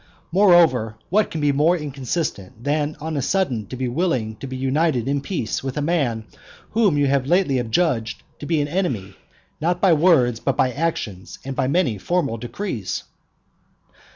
Moreover, what can be more inconsistent than on a sudden to be willing to be united in peace with a man whom you have lately adjudged to be an enemy, not by words, but by actions and by many formal decrees?